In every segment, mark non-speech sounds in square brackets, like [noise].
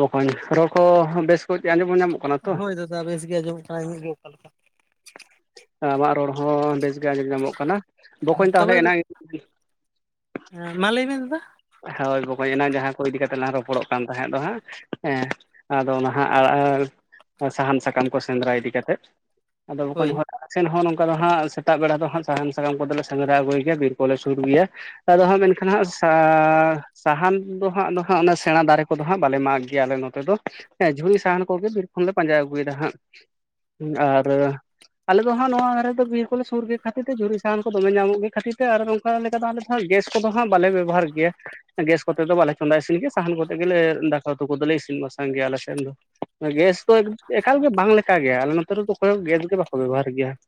ᱵᱚᱠᱚᱧ ᱨᱚᱲ ᱠᱚ ᱵᱮᱥ ᱠᱚᱡ ᱜᱮ ᱟᱸᱡᱚᱢ ᱧᱟᱢᱚᱜ ᱠᱟᱱᱟ ᱛᱚ? ᱫᱟ ᱵᱮᱥ ᱜᱮ ᱟᱸᱡᱚᱢᱚᱜ ᱠᱟᱱᱟ ᱾ ᱟᱵᱤᱱ ᱜᱮ ᱚᱠᱟ ᱞᱮᱠᱟ? ᱟᱢᱟᱜ ᱨᱚᱲ ᱦᱚᱸ ᱵᱮᱥ ᱜᱮ ᱟᱸᱡᱚᱢ ᱧᱟᱢᱚᱜ ᱠᱟᱱᱟ ᱾ ᱵᱚᱠᱚᱧ ᱛᱟᱦᱚᱞᱮ ᱮᱱᱟᱝᱼᱼ ᱦᱮᱸ ᱢᱟ ᱞᱟᱹᱭ ᱵᱤᱱ ᱫᱟᱫᱟ ᱾ ᱦᱚᱭ ᱵᱚᱠᱚᱧ ᱮᱱᱟᱝ ᱡᱟᱦᱟᱸ ᱠᱚ ᱤᱫᱤ ᱠᱟᱛᱮᱜ ᱞᱟᱝ ᱨᱚᱯᱚᱲᱚᱜ ᱠᱟᱱ ᱛᱟᱦᱮᱸᱫ ᱫᱚ ᱦᱟᱸᱜ ᱦᱮᱸᱼᱼ ᱟᱫᱚ ᱚᱱᱟ ᱦᱟᱸᱜ ᱟ ᱟ ᱥᱟᱦᱟᱱ ᱥᱟᱠᱟᱢ ᱠᱚ ᱥᱮᱸᱫᱽᱨᱟ ᱤᱫᱤ ᱠᱟᱛᱮᱫ, ᱟᱫᱚ ᱵᱚᱠᱚᱧ ᱦᱳᱭ ᱱᱚ [inaudible] ᱥᱮᱱ ᱦᱚᱸ ᱱᱚᱝᱠᱟ ᱫᱚ ᱦᱟᱸᱜ ᱥᱮᱛᱟᱜ ᱵᱮᱲᱟ ᱫᱚ ᱦᱟᱸᱜ ᱥᱟᱦᱟᱱ ᱥᱟᱠᱟᱢ ᱠᱚᱫᱚ ᱞᱮ ᱥᱮᱸᱫᱽᱨᱟ ᱟᱹᱜᱩᱭᱮ ᱜᱮᱭᱟ, ᱵᱤᱨ ᱠᱚᱞᱮ ᱥᱩᱨ ᱜᱮᱭᱟ ᱾ ᱟᱫᱚ ᱦᱟᱸ ᱢᱮᱱᱠᱷᱟᱱ ᱦᱟᱸᱜ ᱥᱟᱼᱼ ᱟ ᱥᱟᱦᱟᱱ ᱫᱚ ᱦᱟᱸᱜ ᱱᱟ ᱦᱟᱸᱜ ᱚᱱᱟ ᱥᱮᱬᱟ ᱫᱟᱨᱮ ᱠᱚᱫᱚ ᱦᱟᱸᱜ ᱵᱟᱞᱮ ᱢᱟᱜᱽ ᱜᱮᱭᱟ ᱟᱞᱮ ᱱᱚᱛᱮ ᱫᱚ ᱾ ᱦᱮᱸ ᱡᱷᱩᱨᱤ ᱥᱟᱦᱟᱱ ᱠᱚᱜᱮ ᱵᱤᱨ ᱠᱷᱚᱱᱞᱮ ᱯᱟᱸᱡᱟ ᱟᱹᱜᱩᱭᱮᱫᱟ ᱦᱟᱸᱜ, ᱟᱨᱼᱼ ᱟᱞᱮ ᱫᱚ ᱦᱟᱸᱜ ᱱᱚᱣᱟ ᱨᱮ ᱵᱤᱨ ᱠᱚᱞᱮ ᱥᱩᱨ ᱜᱮᱭᱟ ᱠᱷᱟᱹᱛᱤᱨ ᱛᱮ ᱡᱷᱩᱨᱤ ᱥᱟᱦᱟᱱ ᱠᱚ ᱫᱚᱢᱮ ᱧᱟᱢᱚᱜ ᱜᱮ ᱠᱷᱟᱹᱤᱨ ᱛᱮ ᱟᱨ ᱱᱚᱝᱼᱼ ᱚᱱᱠᱟ ᱞᱮᱠᱟ ᱫᱚ ᱟᱞᱮ ᱫᱚ ᱱᱚᱜᱼᱚᱭ ᱜᱮᱥ ᱠᱚᱫᱚ ᱦᱟᱸᱜ ᱵᱟᱞᱮ ᱵᱮᱵᱚᱦᱟᱨ ᱜᱮᱭᱟ ᱾ ᱜᱮᱥ ᱠᱚᱛᱮ ᱫᱚ ᱵᱟᱞᱮ ᱪᱚᱸᱫᱟ ᱤᱥᱤᱱ ᱜᱮᱭᱟ ᱥᱟᱦᱟᱱ ᱠᱚᱛᱮ ᱜᱮᱞᱮ, ᱫᱟᱠᱟ ᱩᱛᱩ ᱠᱚᱫᱚ ᱞᱮ ᱤᱥᱤᱱ ᱵᱟᱥᱟᱝ ᱜᱮᱭᱟ ᱟᱞᱮ ᱥᱮᱱ ᱫᱚ ᱾ ᱜᱮᱥ ᱫᱚ ᱮᱠᱟᱞ ᱜᱮ ᱵᱟᱝ ᱞᱮᱠᱟ ᱜᱮᱭᱟ, ᱟᱞᱮ ᱱᱚᱛᱮ ᱨᱮᱫᱚ ᱚᱠᱚᱭ ᱦᱚᱸ ᱜᱮᱥ ᱜᱮ ᱵᱟᱠᱚ ᱵᱮᱵᱚᱦᱟᱨ ᱜᱮᱭᱟ ᱾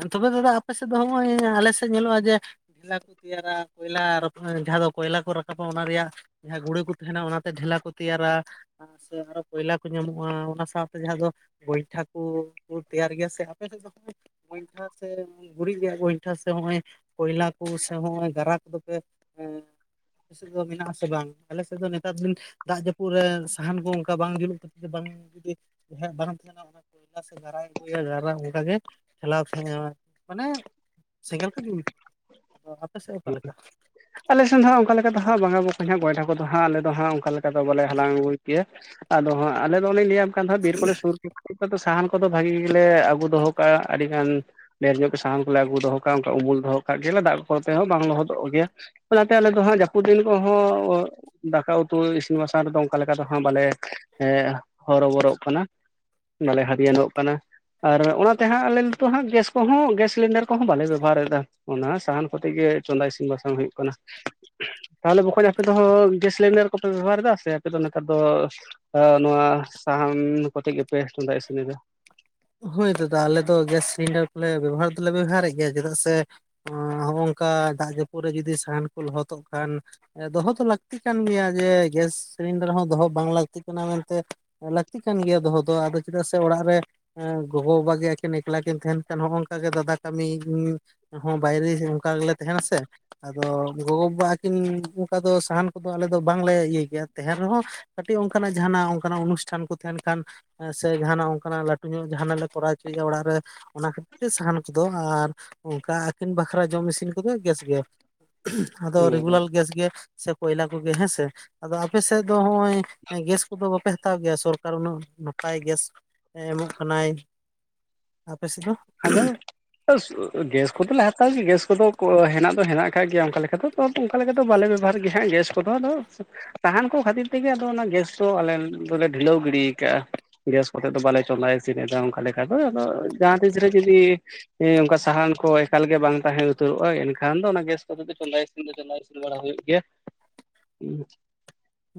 ᱦᱮᱸ ᱛᱚᱵᱮ ᱫᱟᱫᱟ ᱟᱯᱮ ᱥᱮᱫ ᱫᱚ ᱦᱚᱸᱜᱼᱚᱭ ᱟᱞᱮ ᱥᱮᱫ ᱧᱮᱞᱚᱜᱼᱟ ᱡᱮᱼᱼ ᱠᱚᱭᱞᱟ ᱠᱚ ᱛᱮᱭᱟᱨᱟ, ᱠᱚᱭᱞᱟ ᱡᱟᱦᱟᱸ ᱫᱚ ᱠᱚᱭᱞᱟ ᱠᱚ ᱨᱟᱠᱟᱵᱟ ᱚᱱᱟ ᱨᱮᱭᱟᱜ ᱾ ᱡᱟᱦᱟᱸ ᱜᱩᱲᱟᱹ ᱠᱚ ᱛᱟᱸᱦᱮᱱᱟ ᱚᱱᱟᱛᱮ ᱰᱷᱮᱞᱟ ᱠᱚ ᱛᱮᱭᱟᱨᱟ ᱾ ᱥᱮ ᱟᱨᱚ ᱠᱚᱭᱞᱟ ᱠᱚ ᱧᱟᱢᱚᱜᱼᱟ, ᱚᱱᱟ ᱥᱟᱶᱛᱮ ᱡᱟᱦᱟᱸ ᱫᱚᱼᱼ ᱜᱚᱭᱴᱷᱟ ᱠᱚ, ᱠᱚ ᱛᱮᱭᱟᱨ ᱜᱮᱭᱟ ᱥᱮ ᱟᱯᱮᱥᱮᱫ ᱫᱚ ᱾ ᱜᱚᱭᱴᱷᱟ ᱥᱮ ᱜᱩᱨᱤᱡ ᱨᱮᱭᱟᱜ ᱜᱚᱭᱴᱟ, ᱥᱮ ᱦᱚᱜᱼᱚᱭ ᱠᱚᱭᱞᱟ ᱠᱚ, ᱥᱮ ᱱᱚᱜᱼᱚᱭ ᱜᱟᱨᱟᱠ ᱠᱚ ᱯᱮᱼᱼ ᱦᱮᱸ ᱥᱤᱢᱟᱹ ᱢᱮᱱᱟᱜ ᱟᱥᱮ ᱵᱟᱝ? ᱟᱞᱮ ᱥᱮᱫ ᱫᱚ ᱱᱮᱛᱟᱨ ᱫᱤᱱᱼᱼ ᱫᱟᱜ ᱡᱟᱹᱯᱩᱫ ᱨᱮ ᱥᱟᱦᱟᱱ ᱠᱚ ᱚᱱᱠᱟ ᱵᱟᱝ ᱡᱩᱞᱩᱜ [inaudible] ᱛ ᱡ ᱵᱟᱝ ᱡᱩᱫᱤ ᱦᱮᱡ ᱵᱟᱝ [inaudible] ᱛᱟᱦᱮᱱᱟ ᱠᱚᱭᱞᱟ ᱥᱮ ᱫᱷᱟᱨᱟᱭ ᱟᱹᱜᱩᱭᱟ ᱫᱷᱟᱨᱟ ᱚᱱᱠᱟᱜ ᱜᱮ ᱾ ᱴᱷᱮᱞᱟᱣ ᱠᱷ [unintelligible] ᱢᱟᱱᱮ ᱥᱮᱸᱜᱮᱞ ᱠᱚ ᱡᱩᱞᱟ, ᱟᱫᱚ ᱟᱯᱮ ᱥᱮᱫ ᱚᱠᱟ ᱞᱮᱠᱟ? ᱟᱞᱮ ᱥᱮᱫ ᱫᱚ ᱦᱟᱸᱜ ᱚᱱᱠᱟ ᱞᱮᱠᱟ ᱫᱚ ᱦᱟᱸᱜ ᱵᱟᱝᱟ ᱵᱚᱠᱚᱧ, ᱜᱚᱭᱴᱷᱟ ᱠᱚ ᱫᱚ ᱦᱟᱸᱜ ᱟᱞᱮ ᱫᱚ ᱦᱟᱸᱜ ᱚᱱᱠᱟ ᱞᱮᱠᱟ ᱫᱚ ᱵᱟᱞᱮ ᱦᱟᱞᱟᱝ ᱟᱹᱜᱩᱭ ᱠᱮᱭᱟ ᱾ ᱟᱫᱚ ᱦᱟᱸᱜ ᱟᱞᱮ ᱫᱚ ᱚᱱᱮᱧ ᱞᱟᱹᱭᱟᱢ ᱠᱟᱱ ᱫᱚ ᱵᱤᱨ ᱠᱚᱞᱮ ᱥᱩᱨ ᱠᱮᱫ [unintelligible] ᱥᱟᱦᱟᱱᱼᱼ ᱠᱚᱫᱚ ᱵᱷᱟᱹᱜᱤ ᱜᱮᱞᱮ ᱟᱹᱜᱩ ᱫᱚᱦᱚ ᱠᱟᱜᱼᱟ, ᱟᱹᱰᱤ ᱜᱟᱱ ᱰᱷᱮᱨ ᱧᱚᱜ ᱜᱮ ᱥᱟᱦᱟᱱ ᱠᱚᱞᱮ ᱟᱹᱩ ᱫᱚᱦᱚ ᱠᱟᱜᱼᱟ, ᱚᱱᱠᱟ ᱩᱢᱩᱞ ᱫᱚᱦᱚ ᱠᱟᱜᱼᱟ ᱾ ᱠᱟᱜ ᱜᱮᱭᱟᱞᱟ ᱫᱟᱜ ᱠᱚᱛᱮ ᱦᱚᱸ ᱵᱟᱝ ᱞᱚᱦᱚᱫᱚᱜ ᱜᱮᱭᱟ᱾ ᱚᱱᱟᱛᱮ ᱟᱞᱮ ᱫᱚ ᱦᱟᱸᱜ ᱡᱟᱹᱯᱩᱫ ᱫᱤᱱ ᱠᱚᱦᱚᱸ, ᱫᱟᱠᱟ ᱩᱛᱩ ᱤᱥᱤᱱ ᱵᱟᱥᱟᱝ ᱨᱮᱫᱚ ᱚᱝᱠᱟ ᱞᱮᱠᱟ ᱫᱚ ᱦᱟᱸᱜ ᱵᱟᱞᱮ ᱮᱸ ᱦᱚᱨᱚ ᱵᱚᱨᱚᱜ ᱠᱟᱱᱟ᱾ ᱵᱟᱞᱮ ᱦᱟᱨᱤᱭᱟᱹᱱᱚᱜ ᱠᱟᱱᱟ, ᱟᱨ ᱚᱱᱟᱛᱮ ᱦᱟᱸᱜ ᱟᱞᱮ ᱱᱤᱛᱚ ᱦᱟᱸᱜ ᱜᱮᱥ ᱠᱚᱦᱚᱸ ᱜᱮᱥ ᱥᱤᱞᱤᱱᱰᱟᱨ ᱠᱚᱦᱚᱸ ᱵᱟᱞᱮ ᱵᱮᱵᱚᱦᱟᱨ ᱮᱫᱟ, ᱚᱱᱟ ᱥᱟᱦᱟᱱ ᱠᱚᱛᱮ ᱜᱮ ᱪᱚᱸᱫᱟ ᱤᱥᱤᱱ ᱵᱟᱥᱟᱝ ᱦᱩᱭᱩᱜ ᱠᱟᱱᱟ᱾ ᱛᱟᱦᱚᱞᱮ ᱵᱚᱠᱚᱧ ᱟᱯᱮ ᱫᱚᱦᱚ ᱜᱮᱥ ᱥᱤᱞᱤᱱᱰᱟᱨ ᱠᱚᱯᱮ ᱵᱮᱵᱚᱦᱟᱨ ᱮᱫᱟ ᱥᱮ ᱟᱯᱮ ᱫᱚ ᱱᱮᱛᱟᱨ ᱫᱚ ᱟ ᱱᱚᱣᱟ ᱥᱟᱦᱟᱱ ᱠᱚᱛᱮ ᱜᱮᱯᱮ ᱪᱚᱸᱫᱟ ᱤᱥᱤᱱ ᱮᱫᱟ? ᱦᱳᱭ ᱫᱟᱫᱟ ᱟᱞᱮ ᱫᱚ ᱜᱮᱥ ᱥᱤᱞᱤᱱᱰᱟᱨ ᱠᱚᱞᱮ ᱵᱮᱵᱚᱦᱟᱨ ᱫᱚᱞᱮ ᱵᱮᱵᱚᱦᱟᱨᱮᱜ ᱜᱮᱭᱟ ᱪᱮᱫᱟᱜ ᱥᱮ, ᱦᱚᱸᱜ-ᱚ ᱱᱚᱝᱠᱟ ᱫᱟᱜ ᱡᱟᱹᱯᱩᱫ ᱨᱮ ᱡᱩᱫᱤ ᱥᱟᱦᱟᱱ ᱠᱚ ᱞᱚᱦᱚᱫᱚᱜ ᱠᱷᱟᱱ ᱫᱚᱦᱚ ᱫᱚ ᱞᱟᱠᱛᱤ ᱠᱟᱱ ᱜᱮᱭᱟ ᱡᱮ ᱜᱮᱥ ᱥᱤᱞᱤᱱᱰᱟᱨ ᱦᱚᱸ ᱫᱚᱦᱚ ᱵᱟᱝ ᱞᱟᱠᱛᱤ ᱠᱟᱱᱟ ᱢᱮᱱᱛᱮ ᱞᱟᱠᱛᱤ ᱠᱟᱱ ᱜᱮᱭᱟ ᱫᱚᱦᱚ ᱫᱚ ᱟᱫᱚ ᱪᱮᱫᱟᱜ ᱥᱮ ᱚᱲᱟᱜ ᱨᱮ ᱮᱸ ᱜᱚᱜᱚᱼᱵᱟᱵᱟ ᱜᱮ ᱟᱠᱤᱱ ᱮᱠᱞᱟ ᱠᱤᱱ ᱛᱟᱦᱮᱸᱱ ᱠᱟᱱ ᱦᱚᱸᱜ-ᱚ ᱚᱝᱠᱟ ᱜᱮ ᱫᱟᱫᱟ ᱠᱟᱢᱤ [inaudible] ᱦᱚᱸ ᱵᱟᱭᱨᱮ ᱥᱮᱫ ᱚᱝᱠᱟ ᱜᱮᱞᱮ ᱛᱟᱦᱮᱸᱱᱟ ᱥᱮ᱾ ᱟᱫᱚ ᱜᱚᱜᱚ-ᱵᱟᱵᱟ ᱟᱠᱤᱱ ᱚᱝᱠᱟ ᱫᱚ ᱥᱟᱦᱟᱱ ᱠᱚᱫᱚ ᱟᱞᱮ ᱫᱚ ᱵᱟᱝᱞᱮ ᱤᱭᱟᱹᱭ ᱜᱮᱭᱟ ᱛᱟᱦᱮᱸᱱ ᱨᱮᱦᱚᱸ ᱠᱟᱹᱴᱤᱡ ᱚᱝᱠᱟᱱᱟᱜ ᱡᱟᱦᱟᱸᱱᱟᱜ ᱚᱝᱠᱟᱱᱟᱜ ᱚᱱᱩᱥᱴᱷᱟᱱ ᱠᱚ ᱛᱟᱦᱮᱸᱱ ᱠᱷᱟᱱ, ᱥᱮ ᱡᱟᱦᱟᱸᱱᱟᱜ ᱚᱝᱠᱟᱱᱟᱜ ᱞᱟᱹ ᱴᱩ ᱧᱚᱜ ᱡᱟᱦᱟᱸᱱᱟᱜ ᱞᱮ ᱠᱚᱨᱟᱣ ᱦᱚᱪᱚᱭᱮᱜ-ᱟ ᱚᱲᱟᱜ ᱨᱮ, ᱚᱱᱟ ᱠᱷᱟᱹᱤᱨ ᱛᱮ ᱥᱟᱦᱟᱱ ᱛᱮᱫᱚ ᱟᱨ ᱚᱝᱠᱟ ᱟᱹᱠᱤᱱ ᱵᱟᱠᱷᱨᱟ ᱡᱚᱢ ᱤᱥᱤᱱ ᱠᱚᱫᱚ ᱜᱮᱥ ᱜᱮ᱾ ᱟᱫᱚ ᱨᱮᱜᱩᱞᱟᱞ ᱜᱮᱥ ᱜᱮ ᱥᱮ ᱠᱚᱭᱞᱟ ᱠᱚᱜᱮ ᱦᱮᱸ ᱥᱮ ᱾ ᱟᱫᱚ ᱟᱯᱮ ᱥᱮᱫ ᱫᱚ ᱦᱚᱸᱜᱼᱚᱭ ᱜᱮᱥ ᱠᱚᱫᱚ ᱵᱟᱯᱮ ᱦᱟᱛᱟᱣ ᱜᱮᱭᱟ ᱥᱚᱨᱠᱟᱨ ᱩᱱᱟᱹᱜ ᱱᱟᱯᱟᱭ ᱜᱮᱥ ᱮ ᱮᱢᱚᱜ ᱠᱟᱱᱟᱭ᱾ ᱟᱯᱮ ᱥᱮᱫ ᱫᱚ? ᱟᱫᱚ, [inaudible] ᱜᱮᱥ ᱠᱚᱫᱚᱞᱮ ᱦᱟᱛᱟᱣ ᱜᱮ ᱜᱮᱥ ᱠᱚᱫᱚ ᱦᱮᱱᱟᱜ ᱫᱚ ᱦᱮᱱᱟᱜ ᱠᱟᱜ ᱜᱮᱭᱟ ᱚᱝᱠᱟ ᱞᱮᱠᱟ ᱫᱚ ᱵᱟᱴ ᱚᱝᱠᱟ ᱞᱮᱠᱟ ᱫᱚ ᱵᱟᱞᱮ ᱵᱮᱵᱚᱦᱟᱨ ᱜᱮ ᱦᱟᱸᱜ ᱜᱮᱥ ᱠᱚᱫᱚ ᱟᱫᱚ, ᱥᱟᱦᱟᱱ ᱠᱚ ᱠᱷᱟᱛᱤᱨ ᱛᱮᱜᱮ ᱟᱫᱚ ᱚᱱᱟ ᱜᱮᱥ ᱫᱚ ᱟᱞᱮ ᱫᱚᱞᱮ ᱰᱷᱤᱞᱟᱹᱣ ᱜᱤᱰᱤ ᱠᱟᱜ-ᱟ ᱾ ᱜᱮᱥ ᱠᱚᱛᱮ ᱫᱚ ᱵᱟᱞᱮ ᱪᱚᱸᱫᱟ ᱤᱥᱤᱱᱮᱫᱟ ᱚᱝᱠᱟ ᱞᱮᱠᱟ ᱫᱚ, ᱟᱫᱚ ᱡᱟᱦᱟᱸ ᱛᱤᱥ ᱨᱮ ᱡᱩᱫᱤ ᱮᱸ ᱚᱝᱠᱟ ᱥᱟᱦᱟᱱ ᱠᱚ ᱮᱠᱟᱞ ᱜᱮ ᱵᱟᱝ ᱛᱟᱦᱮᱸ ᱩᱛᱟᱹᱨᱚᱜᱼᱟ ᱮᱱᱠᱷᱟᱱ ᱫᱚ ᱚᱱᱟ ᱜᱮᱥ ᱠᱚᱫᱚᱞᱮ ᱪᱚᱸᱫᱟᱭ ᱤᱥᱤᱱ ᱪᱟᱞᱟᱣ ᱤᱥᱤᱱ ᱵᱟᱲᱟ ᱦᱩᱭᱩᱜ ᱜᱮᱭᱟ᱾ ᱩᱸ ᱦᱩᱸᱜ᱾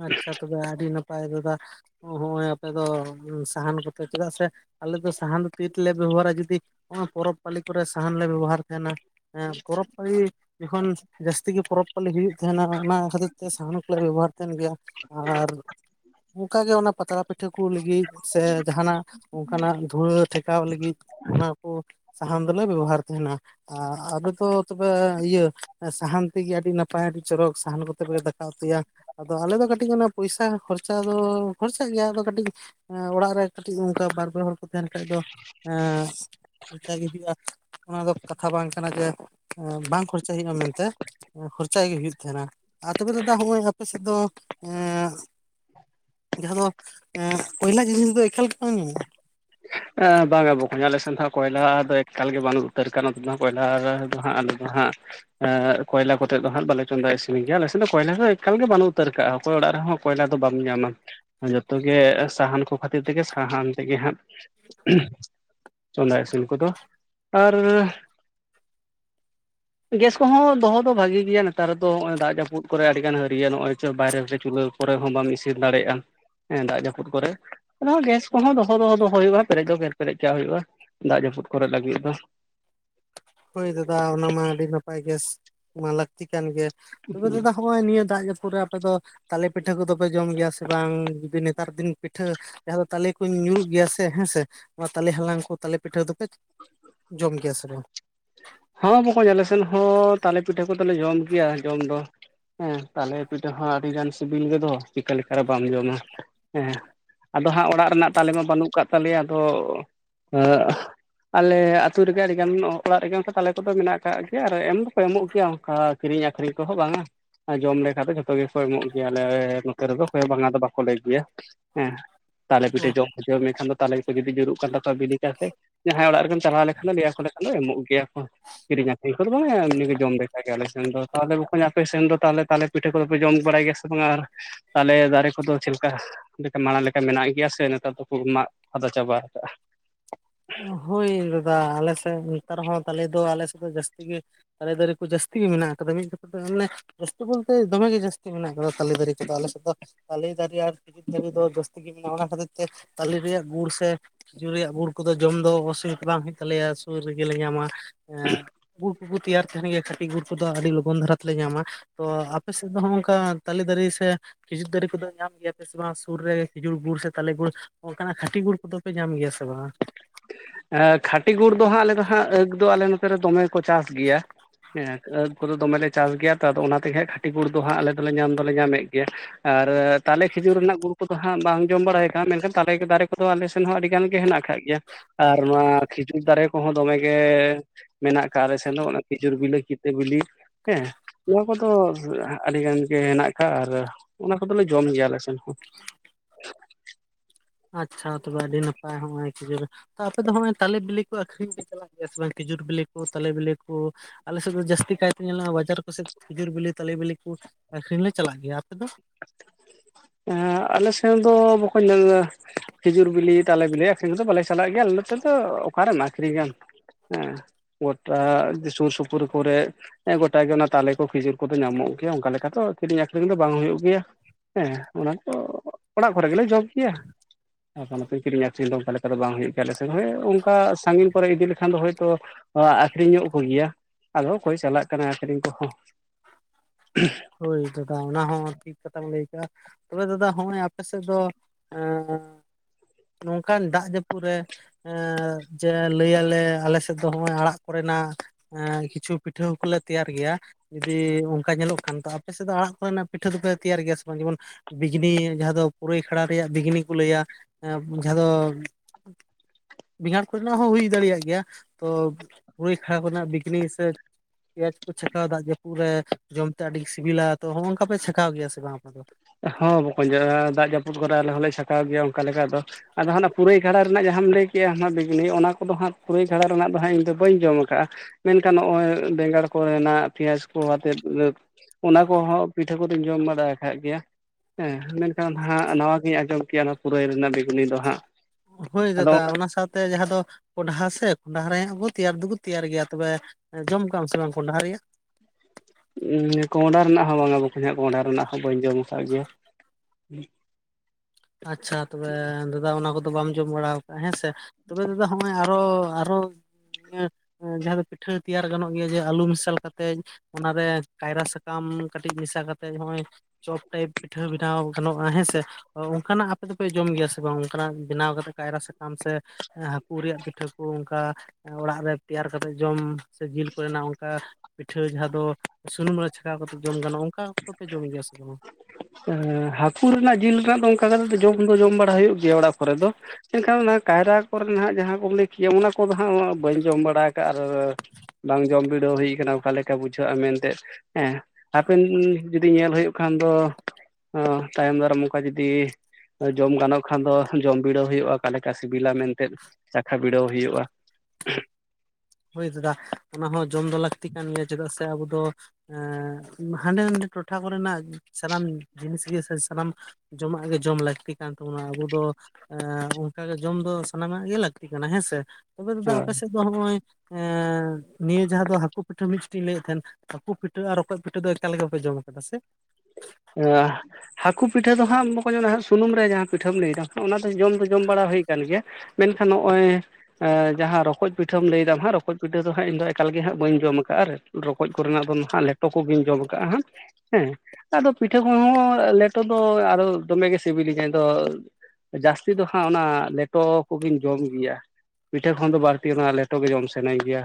ᱟᱪᱪᱷᱟ ᱛᱚᱵᱮ ᱟᱹᱰᱤ ᱱᱟᱯᱟᱭ ᱫᱟᱫᱟ, ᱚ ᱦᱚᱸᱜᱼᱚᱭ ᱟᱯᱮ ᱫᱚ ᱥᱟᱦᱟᱱ ᱠᱚᱛᱮ ᱪᱮᱫᱟᱜ ᱥᱮ, ᱟᱞᱮ ᱫᱚ ᱥᱟᱦᱟᱱ ᱫᱚ ᱛᱤ ᱨᱮᱞᱮ ᱵᱮᱵᱚᱦᱟᱨᱟ ᱡᱩᱫᱤ ᱚᱱᱟ ᱯᱚᱨᱚᱵᱽ ᱯᱟᱞᱤ ᱠᱚᱨᱮ ᱥᱟᱦᱟᱱ ᱞᱮ ᱵᱮᱵᱚᱦᱟᱨ ᱛᱟᱦᱮᱸᱱᱟ, ᱮᱸ ᱯᱚᱨᱚᱵᱽ ᱯᱟᱞᱤ ᱡᱚᱠᱷᱚᱱ ᱡᱟᱹᱥᱛᱤ ᱜᱮ ᱯᱚᱨᱚᱵᱽ ᱯᱟᱞᱤ ᱦᱩᱭᱩᱜ ᱛᱟᱦᱮᱸᱱᱟ, ᱚᱱᱟ ᱠᱷᱟᱹᱛᱤᱨ ᱛᱮ ᱥᱟᱦᱟᱱ ᱠᱚᱞᱮ ᱵᱮᱵᱚᱦᱟᱨ ᱛᱟᱦᱮᱸᱱ ᱜᱮᱭᱟ ᱟᱨ ᱚᱝᱠᱟ ᱜᱮ ᱚᱱᱟ ᱯᱟᱛᱟᱲᱟ ᱯᱤᱴᱷᱟᱹ ᱠᱚ ᱞᱟᱹᱜᱤᱫ ᱥᱮ ᱡᱟᱦᱟᱸᱱᱟᱜ ᱚᱱᱴᱝᱠᱟᱱᱟᱜ ᱫᱷᱩᱲᱟᱹ ᱴᱷᱮᱠᱟᱣ ᱞᱟᱹᱜᱤᱫ, ᱚᱱᱟ ᱠᱚ ᱥᱟᱦᱟᱱ ᱫᱚᱞᱮ ᱵᱮᱵᱚᱦᱟᱨ ᱛᱟᱦᱮᱸᱱᱟ᱾ ᱟᱨ ᱟᱯᱮ ᱫᱚ ᱛᱚᱵᱮ ᱤᱭᱟᱹ, ᱥᱟᱦᱟᱱ ᱛᱮᱜᱮ ᱟᱹᱰᱤ ᱱᱟᱯᱟᱭ ᱟᱹᱰᱤ ᱪᱚᱨᱚᱠ ᱥᱟᱦᱟᱱ ᱠᱚᱛᱮ ᱯᱮ ᱫᱟᱠᱟ ᱩᱛᱩᱭᱟ, ᱟᱫᱚ ᱟᱞᱮ ᱫᱚ ᱠᱟᱹᱴᱤᱡ ᱚᱱᱟ ᱯᱚᱭᱥᱟ ᱠᱷᱚᱨᱪᱟ ᱫᱚ ᱠᱷᱚᱨᱪᱟᱜ ᱜᱮᱭᱟ ᱟᱫᱚ ᱠᱟᱹᱴᱤᱡ ᱮᱸ ᱚᱲᱟᱜ ᱨᱮ ᱠᱟᱹᱴᱤᱡ ᱚᱝᱠᱟ ᱵᱟᱨ ᱯᱮ ᱦᱚᱲ ᱠᱚ ᱛᱟᱦᱮᱸᱱ ᱠᱷᱟᱡ ᱫᱚ ᱮᱸ ᱠᱷᱚᱨᱪᱟ ᱜᱮ ᱦᱩᱭᱩᱜᱼᱟ, ᱚᱱᱟ ᱫᱚ ᱠᱟᱛᱷᱟ ᱵᱟᱝ ᱠᱟᱱᱟ ᱡᱮ ᱵᱟᱝ ᱠᱷᱚᱨᱪᱟ ᱦᱩᱭᱩᱜᱼᱟ ᱢᱮᱱᱛᱮ᱾ ᱠᱷᱚᱨᱪᱟ ᱜᱮ ᱦᱩᱭᱩᱜ ᱛᱟᱦᱮᱸᱱᱟ, ᱟᱨ ᱛᱚᱵᱮ ᱫᱟᱫᱟ ᱦᱚᱸᱜᱼᱚᱭ ᱟᱯᱮ ᱥᱮᱫ ᱫᱚ ᱮᱸ ᱡᱟᱦᱟᱸ ᱫᱚ ᱮᱸ ᱠᱚᱭᱞᱟ ᱡᱤᱱᱤᱥ ᱫᱚ ᱮᱠᱟᱞ ᱜᱮ ᱵᱟᱝ ᱧᱟᱢᱚᱜᱼᱟ? ᱮ ᱵᱟᱝᱟ ᱵᱚᱠᱚᱧ ᱟᱞᱮ ᱥᱮᱱ ᱫᱚ ᱦᱟᱸᱜ ᱠᱚᱭᱞᱟ ᱫᱚ ᱮᱠᱟᱞ ᱜᱮ ᱵᱟᱹᱱᱩᱜ ᱩᱛᱟᱹᱨ ᱠᱟᱱᱟ ᱱᱚᱣᱟ ᱠᱚᱭᱞᱟ ᱨᱮ ᱫᱚ ᱦᱟᱸᱜ ᱟᱞᱮ ᱫᱚ ᱦᱟᱸᱜ, ᱮᱸ ᱠᱚᱭᱞᱟ ᱠᱚᱛᱮᱫ ᱫᱚ ᱦᱟᱸᱜ ᱵᱟᱞᱮ ᱪᱚᱸᱫᱟ ᱤᱥᱤᱱ ᱜᱮᱭᱟ, ᱟᱞᱮ ᱥᱮᱫ ᱫᱚ ᱠᱚᱭᱞᱟ ᱫᱚ ᱮᱠᱟᱞ ᱜᱮ ᱵᱟᱹᱱᱩᱜ ᱩᱛᱟᱹᱨ ᱠᱟᱜᱼᱟ ᱚᱠᱚᱭ ᱚᱲᱟᱜ ᱨᱮᱦᱚᱸ ᱠᱚᱭᱞᱟ ᱫᱚ ᱵᱟᱢ ᱧᱟᱢᱟ, ᱡᱚᱛᱚ ᱜᱮ ᱥᱟᱦᱟᱱ ᱠᱚ ᱠᱷᱟᱛᱤᱨ ᱛᱮᱜᱮ ᱥᱟᱦᱟᱱ ᱛᱮᱜᱮ ᱦᱟᱸᱜ ᱪᱚᱸᱫᱟ ᱤᱥᱤᱱ ᱠᱚᱫᱚ, ᱟᱨ [inaudible] ᱜᱮᱥ ᱠᱚᱦᱚᱸ ᱫᱚᱦᱚ ᱫᱚ ᱵᱷᱟᱜᱤ ᱜᱮᱭᱟ ᱱᱮᱛᱟᱨ ᱫᱚ ᱱᱚᱜᱼᱚᱭ ᱫᱟᱜ ᱡᱟᱹᱯᱩᱫ ᱠᱚᱨᱮ ᱟᱹᱰᱤ ᱜᱟᱱ ᱦᱟᱹᱨᱤᱭᱟ ᱱᱚᱜᱼᱚᱭ ᱪᱚ ᱵᱟᱭᱨᱮ ᱨᱮ ᱪᱩᱞᱦᱟᱹ ᱠᱚᱨᱮ ᱦᱚᱸ ᱵᱟᱢ ᱤᱥᱤᱱ ᱫᱟᱲᱮᱭᱟᱜᱼᱟ ᱦᱮᱸ ᱫᱟᱜ ᱡᱟᱹᱯᱩᱫ ᱠᱚᱨᱮ ᱜᱮᱥ ᱠᱚᱦᱚᱸ ᱫᱚᱦᱚ ᱫᱚ ᱫᱚᱦᱚ ᱦᱩᱭᱩᱜᱼᱟ ᱾ ᱯᱮᱨᱮᱡ ᱫᱚ ᱜᱮ ᱯᱮᱨᱮᱡ ᱠᱟᱜ ᱦᱩᱭᱩᱜᱼᱟ ᱫᱟᱜ ᱡᱟᱹᱯᱩᱫ ᱠᱚᱨᱮ ᱞᱟᱹᱜᱤᱫ ᱫᱚ ᱾ ᱦᱳᱭ ᱫᱟᱫᱟ ᱚᱱᱟ ᱢᱟ ᱟᱹᱰᱤ ᱱᱟᱯᱟᱭ ᱜᱮᱥ ᱢᱟ ᱞᱟᱹᱠᱛᱤ ᱠᱟᱱ ᱜᱮ ᱛᱚᱵᱮ ᱫᱟᱫᱟ ᱦᱚ ᱦᱚᱭ ᱱᱤᱭᱟᱹ ᱫᱟᱜ ᱡᱟᱹᱯᱩᱫ ᱨᱮ ᱟᱯᱮ ᱫᱚ ᱛᱟᱞᱮ ᱯᱤᱴᱷᱟᱹ ᱠᱚᱫᱚᱯᱮ ᱡᱚᱢ ᱜᱮᱭᱟ ᱥᱮ ᱵᱟᱝ ᱡᱩᱫᱤ ᱱᱮᱛᱟᱨ ᱫᱤᱱ ᱯᱤᱴᱷᱟᱹ ᱡᱟᱦᱟᱸ ᱫᱚ ᱛᱟᱞᱮ ᱠᱚ ᱧᱩᱨᱩᱜ ᱜᱮᱭᱟ ᱥᱮ ᱦᱮᱸ ᱥᱮ ᱚᱱᱟ ᱛᱟᱞᱮ ᱦᱟᱞᱟᱝ ᱠᱚ ᱛᱟᱞᱮ ᱯᱤᱴᱷᱟᱹ ᱫᱚᱯᱮ ᱡᱚᱢ ᱜᱮᱭᱟ ᱥᱮ ᱵᱟᱝ? ᱦᱮᱸ ᱵᱚᱠᱚᱧ ᱟᱞᱮ ᱥᱮᱱ ᱦᱚᱸ ᱛᱟᱞᱮ ᱯᱤᱴᱷᱟᱹ ᱠᱚᱫᱚᱞᱮ ᱡᱚᱢ ᱜᱮᱭᱟ ᱡᱚᱢ ᱫᱚ ᱾ ᱦᱮᱸ ᱛᱟᱦᱞᱮ ᱯᱤᱴᱷ ᱦᱚᱸ ᱟᱹᱰᱤ ᱜᱟᱱ ᱥᱤᱵᱤᱞ ᱜᱮᱫᱚ ᱪᱤᱠᱟᱹ ᱞᱮᱠᱟᱨᱮ ᱵᱟᱢ ᱡᱚᱢᱟ ᱦᱮᱸ ᱾ ᱟᱫᱚ ᱦᱟᱸᱜ ᱚᱲᱟᱜ ᱨᱮᱱᱟᱜ ᱛᱟᱞᱮ ᱢᱟ ᱵᱟᱹᱱᱩᱜ ᱠᱟᱜ ᱛᱟᱞᱮᱭᱟ ᱟᱫᱚ ᱮᱸᱜ ᱟᱞᱮᱭᱟᱜ ᱟᱹᱛᱩ ᱨᱮᱜᱮ ᱟᱹᱰᱤᱜᱟᱱ ᱚᱲᱟᱜ ᱨᱮᱜᱮ ᱛᱟᱞᱮ ᱠᱚᱫᱚ ᱢᱮᱱᱟᱜ ᱠᱟᱜ ᱜᱮᱭᱟ ᱟᱨ ᱮᱢ ᱫᱚᱠᱚ ᱮᱢᱚᱜ ᱜᱮᱭᱟ ᱚᱱᱠᱟ ᱠᱤᱨᱤᱧ ᱟᱠᱷᱨᱤᱧ ᱠᱚᱦᱚᱸ ᱵᱟᱝ-ᱟ ᱾ ᱡᱚᱢ ᱞᱮᱠᱷᱟ ᱫᱚ ᱡᱷᱚᱛᱚ ᱜᱮᱠᱚ ᱮᱢᱚᱜ ᱜᱮᱭᱟ ᱟᱞᱮ ᱱᱚᱛᱮ ᱨᱮᱫᱚ ᱚᱠᱚᱭ ᱦᱚᱸ ᱵᱟᱝ-ᱟ ᱫᱚ ᱵᱟᱠᱚ ᱞᱟᱹᱭ ᱜᱮᱭᱟ ᱾ ᱦᱮᱸ ᱛᱟᱦᱞᱮ ᱟᱨ ᱯᱤᱴᱷᱟᱹ ᱡᱚᱢ ᱦᱚᱪᱚ ᱢᱮᱠᱷᱟᱱ ᱫᱚ ᱛᱟᱞᱮ ᱠᱚ ᱡᱩᱫᱤ ᱧᱩᱨᱩᱜ ᱠᱟᱱ ᱛᱟᱠᱚᱣᱟ ᱵᱤᱞᱤ ᱠᱟᱛᱮ ᱡᱟᱦᱟᱸᱭ ᱚᱲᱟᱜ ᱨᱮᱜᱮᱢ ᱪᱟᱞᱟᱣ ᱞᱮᱠᱷᱟᱱ ᱞᱟᱹᱭᱟ ᱠᱚ ᱛᱟᱞᱮ ᱮᱢᱚᱜ ᱜᱮᱭᱟ ᱠᱚ ᱠᱤᱨᱤᱧ ᱟᱹᱠᱷᱨᱤᱧ ᱠᱚ ᱫᱚ ᱵᱟᱝ ᱮ ᱮᱢᱱᱤ ᱜᱮ ᱡᱚᱢ ᱞᱮᱠᱷᱟ ᱜᱮ ᱟᱞᱮ ᱥᱮᱱ ᱫᱚ, ᱛᱟᱦᱚᱞᱮ ᱵᱚᱠᱚᱧ ᱟᱯᱮ ᱥᱮᱱ ᱫᱚ ᱛᱟᱦᱚᱞᱮ ᱛᱟᱞᱮ ᱯᱤᱴᱷᱟᱹ ᱠᱚᱫᱚ ᱯᱮ ᱡᱚᱢ ᱵᱟᱲᱟᱭ ᱜᱮᱭᱟ ᱥᱮ ᱵᱟᱝᱼᱟ ᱟᱨ ᱛᱟᱦᱚᱞᱮ ᱫᱟᱨᱮ ᱠᱚᱫᱚ ᱪᱮᱫᱞᱮᱠᱟ ᱞᱮᱠᱟ ᱢᱟᱲᱟᱝ ᱞᱮᱠᱟ ᱢᱮᱱᱟᱜ ᱜᱮᱭᱟ ᱥᱮ ᱱᱮᱛᱟᱨ ᱫᱚᱠᱚ ᱢᱟᱜ [unintelligible] ᱪᱟᱵᱟ ᱠᱟᱜᱼᱟ? ᱦᱳᱭ ᱫᱟᱫᱟ ᱟᱞᱮ ᱥᱮᱫ ᱱᱮᱛᱟᱨ ᱦᱚᱸ ᱛᱟᱞᱮ ᱫᱚ ᱟᱞᱮ ᱥᱮᱫ ᱫᱚ ᱡᱟᱹᱥᱛᱤ ᱜᱮ ᱛᱟᱞᱮ ᱫᱟᱨᱮ ᱠᱚ ᱡᱟᱹᱥᱛᱤ ᱜᱮ ᱢᱮᱱᱟᱜ ᱠᱟᱫᱟ ᱢᱤᱫ ᱠᱟᱛᱷᱟ ᱛᱮ ᱚᱱᱮ ᱡᱟᱹᱥᱛᱤ ᱵᱚᱞᱛᱮ ᱫᱚᱢᱮ ᱜᱮ ᱡᱟᱹᱥᱛᱤ ᱢᱮᱱᱟᱜ ᱠᱟᱫᱟ ᱛᱟᱞᱮ ᱫᱟᱨᱮ ᱠᱚᱫᱚ ᱟᱞᱮ ᱥᱮᱫ ᱫᱚ ᱛᱟᱞᱮ ᱫᱟᱨᱮ ᱟᱨ ᱠᱷᱤᱡᱩᱨ ᱫᱟᱨᱮ ᱫᱚ ᱡᱟᱹᱥᱛᱤ ᱜᱤ ᱢᱮᱱᱟᱜ ᱚᱱᱟ ᱠᱷᱟᱹᱛᱤᱨ ᱛᱮ ᱛᱟᱞᱮ ᱨᱮᱭᱟᱜ ᱜᱩᱲ ᱥᱮ ᱠᱷᱤᱡᱩᱨ ᱨᱮᱭᱟᱜ ᱜᱩᱲ ᱠᱚ ᱫᱚ ᱡᱚᱢ ᱫᱚ ᱚᱥᱩᱵᱤᱫᱟ ᱵᱟᱝ ᱦᱩᱭᱩᱜ ᱛᱟᱞᱮᱭᱟ ᱥᱩᱨ ᱨᱮ ᱜᱮᱞᱮ ᱧᱟᱢᱟ ᱮᱜ ᱜᱩᱲ ᱩᱱᱠᱩ ᱠᱚ ᱛᱮᱭᱟᱨ ᱛᱟᱦᱮᱸᱱ ᱜᱮᱭᱟ ᱠᱷᱟᱹᱴᱤᱡ ᱜᱩᱨ ᱠᱚᱫᱚ ᱟᱹᱰᱤ ᱞᱚᱜᱚᱱ ᱫᱷᱟᱨᱟ ᱛᱮᱞᱮ ᱧᱟᱢᱟ ᱛᱚ ᱟᱯᱮ ᱥᱮᱫ ᱫᱚ ᱱᱚᱜ ᱱᱚᱝᱠᱟ ᱛᱟᱞᱮ ᱫᱟᱨᱮ ᱥᱮ ᱠᱷᱤᱡᱩᱨ ᱫᱟᱨᱮ ᱠᱚᱫᱚ ᱧᱟᱢ ᱜᱮᱭᱟ ᱯᱮᱥ ᱥᱮ ᱵᱟᱝ ᱥᱩᱨ ᱨᱮ ᱠᱷᱤᱡᱩᱨ ᱜᱩᱲ ᱥᱮ ᱛᱟᱞᱮ ᱜᱩᱲ ᱚᱝᱠᱟᱱᱟᱜ ᱠᱷᱟᱹᱴᱤ ᱜᱩᱲ ᱠᱚᱫᱚ ᱯᱮ ᱧᱟᱢ ᱜᱮᱭᱟ ᱥᱮ ᱵᱟᱝᱟ? ᱮᱸ ᱠᱷᱟᱹᱴᱤ ᱜᱩᱲ ᱫᱚ ᱦᱟᱸᱜ ᱟᱞᱮ ᱫᱚ ᱦᱟᱸᱜ ᱟᱹᱠᱜ ᱫᱚ ᱟᱞᱮ ᱱᱚᱛᱮ ᱨᱮ ᱫᱚᱢᱮ ᱠᱚ ᱪᱟᱥ ᱜᱮᱭᱟ ᱦᱮᱸ᱾ ᱟᱹᱠᱜ ᱠᱚᱫᱚ ᱫᱚᱢᱮ ᱞᱮ ᱪᱟᱥ ᱜᱮᱭᱟ ᱛᱚ ᱟᱫᱚ ᱚᱱᱟ ᱛᱮᱜᱮ ᱠᱷᱟᱹᱴᱤᱠ ᱜᱩᱲ ᱫᱚ ᱦᱟᱸᱜ ᱟᱞᱮ ᱫᱚᱞᱮ ᱧᱟᱢ ᱫᱚᱞᱮ ᱧᱟᱢᱮᱫ ᱜᱮᱭᱟ᱾ ᱟᱨ ᱛᱟᱞᱮ ᱠᱷᱤᱡᱩᱨ ᱨᱮᱱᱟᱜ ᱜᱩᱲ ᱠᱚᱫᱚ ᱦᱟᱸᱜ ᱵᱟᱝ ᱡᱚᱢ ᱵᱟᱲᱟᱭ ᱠᱟᱱᱟ ᱢᱮᱱᱠᱷᱟᱱ ᱛᱟᱞᱮ ᱫᱟᱨᱮ ᱠᱚᱫᱚ ᱟᱞᱮ ᱥᱮᱱ ᱦᱚᱸ ᱟᱹᱰᱤ ᱜᱟᱱ ᱜᱮ ᱦᱮᱸᱱᱟᱜ ᱠᱟᱫ ᱜᱮᱭᱟ᱾ ᱟᱨ ᱱᱚᱣᱟ ᱠᱷᱤᱡᱩᱨ ᱫᱟᱨᱮ ᱠᱚᱦᱚᱸ ᱫᱚᱢᱮ ᱜᱮ ᱢᱮᱱᱟᱜ ᱠᱟᱜ ᱟᱞᱮ ᱥᱮᱱ ᱫᱚ ᱚᱱᱟ ᱠᱷᱤᱡᱩᱨ ᱵᱤᱞᱤ ᱛᱤ ᱵᱤᱞᱤ ᱦᱮᱸ ᱱᱚᱣᱟ ᱠᱚᱫᱚ ᱟᱹᱰᱤ ᱜᱟᱱ ᱜᱮ ᱦᱮᱸᱱᱟᱜ ᱟᱠᱟᱫ ᱟᱨ ᱚᱱᱟ ᱠᱚᱫᱚᱞᱮ ᱡᱚᱢ ᱜᱮᱭᱟ ᱟᱞᱮ ᱥᱮᱱ ᱦᱚᱸ᱾ ᱟᱪᱪᱷᱟ ᱛᱚᱵᱮ ᱟᱹᱰᱤ ᱱᱟᱯᱟᱭ ᱦᱚᱸᱜᱼᱚᱭ ᱠᱷᱤᱡᱩᱨ ᱛᱚ ᱟᱯᱮ ᱫᱚ ᱦᱚᱸᱜᱼᱚᱭ ᱛᱟᱞᱮ ᱵᱤᱞᱤ ᱠᱚ ᱟᱹᱠᱷᱨᱤᱧ ᱯᱮ ᱪᱟᱞᱟᱜ ᱜᱮᱭᱟ ᱥᱮ ᱵᱟᱝ ᱠᱷᱤᱡᱩᱨ ᱵᱤᱞᱤ ᱠᱚ ᱛᱟᱞᱮ ᱵᱤᱞᱤ ᱠᱚ? ᱟᱞᱮᱥᱮᱫ ᱫᱚ ᱡᱟᱹᱥᱛᱤ ᱠᱟᱭᱛᱮ ᱧᱮᱞᱚᱜᱼᱟ ᱵᱟᱡᱟᱨ ᱠᱚᱥᱮᱫ ᱠᱷᱩᱤᱡᱩᱨ ᱵᱮᱞᱤ ᱛᱟᱞᱮ ᱵᱤᱞᱤ ᱠᱚ ᱟᱹᱷᱨᱤᱧ ᱞᱮ ᱪᱟᱞᱟᱜ ᱜᱮᱭᱟ ᱟᱯᱮ ᱫᱚ? [inaudible] ᱮᱸᱜ ᱟᱞᱮ ᱥᱮᱱ ᱫᱚ [unintelligible] ᱞᱟᱹᱭᱟ ᱠᱷᱤᱡᱩᱨ ᱵᱤᱞᱤ ᱛᱟᱞᱮ ᱵᱤᱞᱤ ᱟᱠᱷᱨᱤᱧ ᱠᱚᱫᱚ ᱵᱟᱞᱮ ᱪᱟᱞᱟᱜ ᱜᱮᱭᱟ ᱟᱞᱮ ᱱᱚᱛᱮ ᱫᱚ ᱚᱠᱟᱨᱮᱢ ᱟᱠᱷᱨᱤᱧᱟ᱾ ᱦᱮᱸ ᱜᱚᱴᱟ ᱥᱩᱨ ᱥᱩᱯᱩᱨ ᱠᱚᱨᱮᱜ ᱦᱮᱸ ᱜᱚᱴᱟ ᱜᱮ ᱚᱱᱟ ᱛᱟᱞᱮ ᱠᱚ ᱠᱷᱤᱡᱩᱨ ᱠᱚᱫᱚ ᱧᱟᱢᱚᱜ ᱜᱮᱭᱟ ᱚᱱᱠᱟ ᱞᱮᱠᱟ ᱫᱚ ᱠᱤᱨᱤᱧ ᱟᱠᱷᱨᱤᱧ ᱫᱚ ᱵᱟᱝ ᱦᱩᱭᱩᱜ ᱜᱮᱭᱟ᱾ ᱦᱮᱸ ᱚᱱᱟ ᱫᱚ ᱚᱲᱟᱜ ᱠᱚᱨᱮ ᱜᱮᱞᱮ ᱡᱚᱢ ᱠᱮᱭᱟ᱾ ᱟᱯᱟᱱ ᱟᱯᱤᱱ ᱠᱤᱨᱤᱧ ᱟᱹᱠᱷᱨᱤᱧ ᱫᱚ ᱚᱱᱠᱟ ᱞᱮᱠᱟ ᱫᱚ ᱵᱟᱝ ᱦᱩᱭᱩᱜ ᱜᱮᱭᱟ ᱟᱞᱮᱥᱮᱱ ᱦᱳᱭ ᱚᱱᱠᱟ ᱥᱟᱺᱜᱤᱧ ᱠᱚᱨᱮ ᱤᱫᱤ ᱞᱮᱠᱷᱟᱱ ᱫᱚ ᱦᱳᱭᱛᱳ ᱟᱜ ᱟᱠᱷᱨᱤᱧ ᱧᱚᱜ ᱠᱚᱜᱮᱭᱟ ᱟᱫᱚ ᱚᱠᱚᱭ ᱪᱟᱞᱟᱜ ᱠᱟᱱᱟ ᱟᱠᱷᱨᱤᱧ ᱠᱚᱦᱚᱸ᱾ ᱦᱳᱭ ᱫᱟᱫᱟ ᱚᱱᱟ ᱦᱚᱸ ᱴᱷᱤᱠ ᱠᱟᱛᱷᱟᱢ ᱞᱟᱹᱭ ᱠᱮᱫᱟᱜᱼᱟ᱾ ᱛᱚᱵᱮ ᱫᱟᱫᱟ ᱱᱚᱜᱼᱚᱭ ᱟᱯᱮ ᱥᱮᱫ ᱫᱚ ᱱᱚᱝᱼᱠᱟᱱ ᱫᱟᱜ ᱡᱟᱹᱯᱩᱫ ᱨᱮ ᱮ ᱡᱮ ᱞᱟᱹᱭᱟᱞᱮ ᱟᱞᱮ ᱥᱮᱫ ᱫᱚ ᱱᱚᱜᱼᱚᱭ ᱟᱲᱟᱜ ᱠᱚ ᱨᱮᱱᱟᱜ ᱮᱜᱸ ᱠᱤᱪᱷᱩ ᱯᱤᱴᱷᱟᱹ ᱦᱚᱠᱚᱞᱮ ᱛᱮᱭᱟᱨ ᱜᱮᱭᱟ ᱡᱩᱫᱤ ᱚᱱᱠᱟ ᱧᱮᱞᱚᱜᱼᱼ ᱵᱟᱠᱷᱟᱱ ᱟᱯ ᱥᱮᱫ ᱫᱚ ᱟᱲᱟᱜ ᱠᱚᱨᱮ ᱱᱟᱜ ᱯᱤᱴᱷᱟᱹ ᱫᱚᱯᱮ ᱛᱮᱭ ᱜᱮᱭᱟ ᱵᱟᱝ ᱡᱮᱢᱚᱱᱼᱼ ᱵᱤᱡᱽᱱᱤ ᱡᱟᱦᱟᱸ ᱫᱚ ᱯᱩᱨᱟᱹᱭ ᱠᱷᱲᱟ ᱨᱮᱭᱟᱜ ᱵᱜᱽᱱᱤ ᱠᱚ ᱞᱟᱹᱭᱟ ᱡᱟᱦᱟᱸ ᱫᱚ ᱵᱮᱸᱜᱟᱲ ᱠᱚ ᱨᱮᱱᱟᱜ ᱦᱚᱸ ᱦᱩᱭ ᱫᱟᱲᱮᱭᱟᱜ ᱜᱮᱭᱟ ᱛᱚ ᱯᱩᱨᱟᱹᱭ ᱠᱷᱲᱟ ᱠᱚ ᱨᱮᱱᱟᱜ ᱵᱜᱽᱱᱤ ᱥᱮᱼᱼ ᱯᱮᱸᱭᱟᱡᱽ ᱠᱚ ᱪᱷᱟᱠᱟᱣ ᱫᱟᱜ ᱡᱟᱹᱯᱩᱫ ᱨᱮ ᱡᱚᱢᱛᱮ ᱟᱹᱰᱤ ᱥᱤᱵᱤᱞᱟ ᱛᱚ ᱦᱚᱸᱝᱠᱟ ᱯᱮ ᱪᱷᱟᱠᱟᱣ ᱜᱮᱭᱟ ᱥᱮ ᱵᱟᱝ ᱟᱯᱮ ᱫᱚ? ᱦᱚᱸ ᱵᱚᱠᱚᱧ ᱫᱟᱜ ᱡᱟᱹᱯᱩᱫ ᱠᱚᱨᱮ ᱟᱞᱮ ᱦᱚᱸᱞᱮ ᱪᱷᱟᱠᱟᱣ ᱜᱮᱭᱟ ᱚᱱᱠᱟ ᱞᱮᱠᱟ ᱫᱚ᱾ ᱟᱫᱚ ᱦᱟᱱᱟ ᱚᱱᱟ ᱯᱩᱨᱟᱹᱭ ᱠᱷᱟᱰᱟ ᱨᱮᱱᱟᱜ ᱡᱟᱦᱟᱸᱢ ᱞᱟᱹᱭ ᱠᱮᱫᱜᱼᱟ ᱦᱟᱱᱟ ᱵᱜᱽᱱᱤ ᱚᱱᱟ ᱠᱚᱫᱚ ᱦᱟᱸᱜ ᱯᱩᱨᱟᱹᱭ ᱠᱷᱟᱰᱟ ᱨᱮᱱᱟᱜ ᱫᱚ ᱦᱟᱸᱜ ᱤᱧᱫᱚ ᱵᱟᱹᱧ ᱡᱚᱢ ᱟᱠᱟᱟᱜᱼᱟ᱾ ᱢᱮᱱᱠᱷᱟᱱ ᱱᱚᱜᱼᱚᱭ ᱵᱮᱸᱜᱟᱲ ᱠᱚᱨᱮᱱᱟᱜ ᱯᱮᱸᱭᱟᱡᱽ ᱠᱚ ᱟᱛᱮᱫ ᱚᱱᱟ ᱠᱚᱦᱚᱸ ᱯᱤᱴᱷᱟᱹ ᱠᱚᱫᱚᱧ ᱡᱚᱢ ᱵᱟᱲᱟ ᱟᱠᱟᱫ ᱜᱮᱭᱟ᱾ ᱦᱮᱸ ᱢᱮᱱ ᱠᱷᱟᱱ ᱦᱟᱸᱜ ᱱᱟᱣᱟ ᱜᱤᱧ ᱟᱸᱡᱚᱢ ᱠᱮᱭᱟ ᱚᱱᱟ ᱯᱩᱨᱟᱹᱭ ᱨᱮᱱᱟᱜ ᱵᱮᱜᱩᱱᱤ ᱫᱚ ᱦᱟᱸᱜ᱾ ᱦᱳᱭ ᱫᱟᱫᱟ ᱟᱫᱚ ᱚᱱᱟ ᱥᱟᱶᱛᱮ ᱡᱟᱦᱟᱸ ᱫᱚ ᱠᱚᱸᱰᱷᱟ ᱥᱮ ᱠᱚᱸᱰᱟ ᱨᱮᱭᱟᱜ ᱦᱚᱸ ᱠᱚ ᱛᱮᱭᱟᱨ ᱫᱚᱠᱚ ᱛᱮᱭᱟᱨ ᱜᱮᱭᱟ ᱛᱚᱵᱮ ᱡᱚᱢ ᱟᱠᱟᱢ ᱥᱮ ᱵᱟᱝ ᱠᱚᱰᱷᱟ ᱨᱮᱭᱟᱜ? ᱩ ᱠᱚᱸᱦᱚᱰᱟ ᱨᱮᱱᱟᱜ ᱦᱚᱸ ᱵᱟᱝᱟ ᱵᱚᱠᱚᱧ ᱠᱚᱸᱦᱚᱰᱟ ᱨᱮᱱᱟᱜ ᱦᱚᱸ ᱵᱟᱹᱧ ᱡᱚᱢ ᱟᱠᱟᱫ ᱜᱮᱭᱟ᱾ ᱟᱪᱪᱷᱟ ᱛᱚᱵᱮ ᱫᱟᱫᱟ ᱚᱱᱟ ᱠᱚᱫᱚ ᱵᱟᱢ ᱡᱚᱢ ᱵᱟᱲᱟ ᱟᱠᱟᱫᱟᱼᱟ ᱦᱮᱸᱥᱮ ᱛᱚᱵᱮ ᱫᱟᱫᱟ ᱦᱚᱸᱜᱚᱭ ᱟᱨ ᱟᱨᱚᱤᱭᱟᱹ ᱡᱟᱦᱟᱸ ᱫᱚ ᱯᱤᱴᱷᱟᱹ ᱛᱮᱭᱟᱨ ᱜᱟᱱᱚᱜ ᱜᱮᱭᱟ ᱡᱮ ᱟᱹᱞᱩ ᱢᱮᱥᱟᱞ ᱠᱟᱛᱮᱫ ᱚᱱᱟᱨᱮ ᱠᱟᱭᱨᱟ ᱥᱟᱠᱟᱢ ᱠᱟᱹᱴᱤᱡ ᱢᱮᱥᱟ ᱠᱟᱛᱮᱜ ᱦᱚᱜᱼᱚᱭᱼᱼ ᱪᱚᱯ ᱴᱟᱭᱤᱯ ᱯᱤᱴᱷᱟᱹ ᱵᱮᱱᱟᱣ ᱜᱟᱱᱚᱜᱼᱟ ᱦᱮᱸ ᱥᱮ ᱛᱚ ᱚᱱᱠᱟ ᱱᱟᱜ ᱟᱯᱮ ᱫᱚᱯᱮ ᱡᱚᱢ ᱜᱮᱭᱟ ᱥᱮ ᱵᱟᱝ? ᱚᱱᱠᱟᱱᱟᱜ ᱵᱮᱱᱟᱣ ᱠᱟᱛᱮᱜ ᱠᱟᱭᱨᱟ ᱥᱟᱠᱟᱢ ᱥᱮᱼᱼ ᱦᱟᱠᱩ ᱨᱮᱭᱟᱜ ᱯᱤᱴᱷᱟᱹ ᱠᱚ ᱚᱱᱠᱟ ᱚᱲᱟᱜ ᱨᱮ ᱛᱮᱭᱟᱨ ᱠᱟᱛᱮᱫ ᱡᱚᱢ ᱥᱮ ᱡᱤᱞ ᱠᱚ ᱨᱮᱱᱟᱜ ᱚᱱᱠᱟᱼᱼ ᱯᱤᱴᱷᱟᱹ ᱡᱟᱦᱟᱸ ᱫᱚ ᱥᱩᱱᱩᱢ ᱨᱮ ᱪᱷᱟᱠᱟᱣ ᱠᱟᱛᱮᱫ ᱡᱚᱢ ᱜᱟᱱᱚᱜᱼᱟ ᱚᱱᱠᱟ ᱚᱠᱛᱚ ᱯᱮ ᱡᱚᱢ ᱜᱮᱭᱟ ᱥᱮ ᱵᱟᱝ? ᱦᱮᱸ ᱦᱟᱹᱠᱩ ᱨᱮᱱᱟᱜ ᱡᱤᱞ ᱨᱮᱱᱟᱜ ᱫᱚ ᱚᱱᱠᱟ ᱠᱟᱛᱮ ᱡᱚᱢ ᱫᱚ ᱡᱚᱢ ᱵᱟᱲᱟ ᱦᱩᱭᱩᱜ ᱜᱮᱭᱟ ᱚᱲᱟᱜ ᱠᱚᱨᱮ ᱫᱚ᱾ ᱮᱱᱠ ᱷᱟᱱ ᱚᱱᱟ ᱠᱟᱭᱨᱟ ᱠᱚᱨᱮᱟᱸᱜ ᱡᱟᱦᱟᱸ ᱠᱚᱢ ᱞᱟᱹᱭ ᱠᱮᱜᱼᱟ ᱚᱱᱟ ᱠᱚᱫᱚ ᱦᱟᱸᱜ ᱩᱱᱟᱹᱜ ᱵᱟᱹᱧ ᱡᱚᱢ ᱵᱟᱲᱟ ᱟᱠᱟᱫᱼᱟ ᱟᱨᱼᱼ ᱵᱟᱝ ᱡᱚᱢ ᱵᱤᱰᱟᱹᱣ ᱦᱩᱭ ᱟᱠᱟᱱᱟ ᱚᱠᱟᱮ ᱞᱮᱠᱟ ᱵᱩᱡᱷᱟᱹᱜᱼᱟ ᱢᱮᱱ ᱛᱮ ᱦᱮᱸ ᱦᱟᱯᱮᱱ ᱡᱩᱫᱤ ᱧᱮᱞ ᱦᱩᱭᱩᱜ ᱠᱷᱟᱱ ᱫᱚ, ᱚ ᱛᱟᱭᱚᱢ ᱫᱟᱨᱟᱢ ᱚᱱᱝᱼᱠᱟ ᱡᱩᱫᱤᱼᱼ ᱡᱚᱢ ᱜᱟᱱᱚᱜ ᱠᱷᱟᱱ ᱫᱚ ᱡᱚᱢ ᱵᱤᱰᱟᱹᱣ ᱦᱩᱭᱩᱜᱼᱟ ᱚᱠᱟᱞᱮᱠᱟ ᱥᱤᱵᱤᱞᱟ ᱢᱮᱱᱛᱮ, ᱪᱟᱠᱷᱟ ᱵᱤᱲᱟᱹᱣ ᱦᱩᱭᱩᱜᱼᱟ᱾ ᱦᱩᱭ ᱫᱟᱫᱟ ᱚᱱᱟ ᱦᱚᱸ ᱡᱚᱢ ᱫᱚ ᱞᱟᱹᱠᱛᱤ ᱠᱟᱱ ᱜᱮᱭᱟ ᱪᱮᱫᱟᱜ ᱥᱮ ᱟᱵᱚ ᱫᱚᱼᱼ ᱦᱟᱸᱰᱮ ᱱᱟᱰᱮ ᱴᱚᱴᱷᱟ ᱠᱚᱨᱮᱱᱟᱜ ᱥᱟᱱᱟᱢ ᱡᱤᱱᱤᱥ ᱜᱮ ᱥᱟᱱᱟᱢᱼᱼ ᱡᱚᱢᱟᱜ ᱜᱮ ᱡᱚᱢ ᱞᱟᱹᱠᱛᱤ ᱠᱟᱱ ᱛᱟᱵᱚᱱᱟ ᱟᱵᱚ ᱫᱚᱼᱼ ᱚᱱᱠᱟᱜᱮ ᱡᱚᱢ ᱫᱚ ᱥᱟᱱᱟᱢᱟᱜ ᱜᱮ ᱞᱟᱹᱠᱛᱤ ᱠᱟᱱᱟ ᱦᱮᱸᱥᱮ ᱛᱚᱵᱮ ᱫᱟᱫᱟ ᱦᱳᱭ ᱟᱯᱮ ᱥᱮᱫ ᱫᱚ ᱱᱚᱜᱼᱚᱭ [inaudible] ᱮᱸ ᱱᱤᱭᱟᱹ ᱡᱟᱦᱟᱸ ᱫᱚ ᱦᱟᱹᱠᱩ ᱯᱤᱴᱷᱟᱹ ᱢᱤᱫ ᱪᱮᱱ ᱤᱧ ᱞᱟᱹᱭᱮᱫ ᱛᱟᱦᱮᱸᱱ ᱦᱟᱹᱠᱩ ᱯᱤᱴᱷᱟᱹ ᱟᱨ ᱨᱚᱠᱚᱡ ᱯᱤᱴᱷᱟᱹ ᱫᱚ ᱮᱠᱟᱞᱮᱯᱮ ᱡᱚᱢ ᱠᱟᱫᱟ ᱥᱮ? ᱟ ᱦᱟᱹᱠᱩ ᱯᱤᱴᱷᱟᱹ ᱫᱚ ᱦᱦᱟᱸᱜ ᱵᱟᱠᱚ ᱥᱩᱱᱩᱢ ᱨᱮ ᱡᱟᱦᱟᱸ ᱯᱤᱴᱷᱟᱹᱢ ᱞᱟᱹᱭᱫᱟᱟ ᱚᱱᱟ ᱫᱚ ᱡᱚᱢ ᱫᱚ ᱡᱚᱢ ᱵᱟᱲᱟ ᱦᱩᱭ ᱠᱟᱱ ᱜᱮᱭᱟ᱾ ᱢᱮᱱ ᱠᱷᱟᱱ ᱱᱚᱜᱼᱚᱭᱼᱼ ᱡᱟᱦᱟᱸ ᱨᱚᱠᱚᱡ ᱯᱤᱴᱷᱟᱹᱢ ᱞᱟᱹᱭ ᱫᱟᱢ ᱦᱟᱸᱜ ᱨᱚᱠᱚᱡ ᱯᱤᱴᱷᱟᱹ ᱫᱚ ᱦᱟᱸᱜᱧ ᱮᱠᱟᱞ ᱜᱮᱮ ᱦᱟᱸᱜ ᱵᱟᱹᱧ ᱡᱚᱢ ᱟᱠᱟᱫᱼᱟ ᱟᱨᱼᱼ ᱨᱚᱠᱚᱡ ᱠᱚᱨᱮᱱᱟᱜ ᱫᱚ ᱱᱟᱦᱟᱜ ᱞᱮᱴᱚ ᱠᱚᱜᱮᱢ ᱡᱚᱢ ᱠᱟᱜᱼᱟ, ᱦᱟᱸᱜ ᱦᱮᱸ ᱟᱫᱚ ᱯᱤᱴᱷᱟᱹ ᱠᱚᱦᱚᱸ ᱞᱮᱴᱚ ᱫᱚ ᱟᱫᱚ ᱫᱚᱢᱮᱜᱮ ᱜᱮ ᱥᱤᱵᱤ ᱞᱤᱧᱟ ᱫᱚᱼᱼ ᱡᱟᱹᱥᱛᱤ ᱫᱚ ᱦᱟᱸᱜ ᱚᱱᱟ ᱞᱮᱴᱚ ᱠᱚᱜᱮᱧ ᱡᱚᱢ ᱜᱮᱭᱟ᱾ ᱯᱤᱴᱷᱟᱹ ᱠᱷᱚᱱ ᱫᱚ ᱵᱟᱹᱲᱛᱤ ᱞᱮᱴᱚ ᱜᱮ ᱡᱚᱢ ᱥᱟᱱᱟᱧ ᱜᱮᱭᱟ᱾